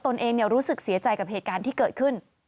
เองรู้สึกเสียใจกับเหตุการณ์ที่เกิดขึ้น